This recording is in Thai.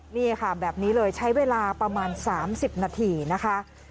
นี่ค่ะแบบนี้เลยใช้เวลาประมาณ๓๐นาทีนะคะ